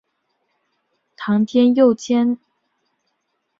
唐天佑年间曾修建高公桥一座以方便两岸来往。